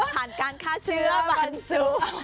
การฆ่าเชื้อบรรจุ